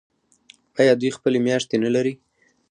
آیا دوی خپلې میاشتې نلري؟